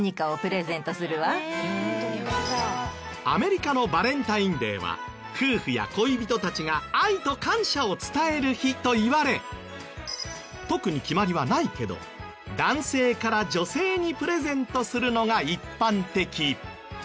アメリカのバレンタインデーは夫婦や恋人たちが愛と感謝を伝える日といわれ特に決まりはないけど男性から女性にプレゼントするのが一般的。